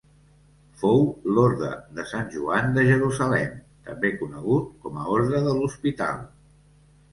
Fou l'orde de Sant Joan de Jerusalem, també conegut com a orde de l'Hospital.